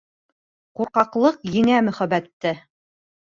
— Ҡурҡаҡлыҡ еңә мөхәббәтте.